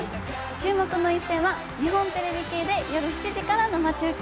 注目の一戦は日本テレビ系で夜７時から生中継。